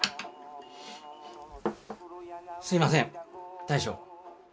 すいません大将。